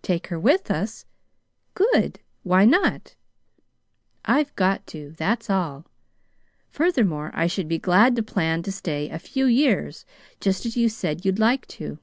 "Take her with us? Good! Why not?" "I've got to. That's all. Furthermore, I should be glad to plan to stay a few years, just as you said you'd like to.